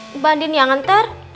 mbak andi nih yang nganter